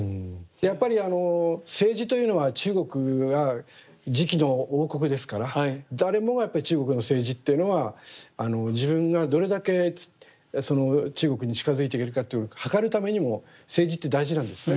やっぱり青磁というのは中国が磁器の王国ですから誰もがやっぱり中国の青磁っていうのは自分がどれだけ中国に近づいていけるかっていうのをはかるためにも青磁って大事なんですね。